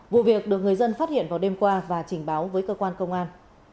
vụ việc được người dân phát hiện vào đêm qua và trình báo với cơ quan công an